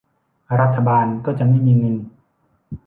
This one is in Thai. รัฐบาลก็จะไม่มีเงิน